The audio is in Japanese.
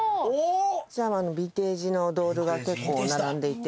こちらビンテージのドールが結構並んでいて。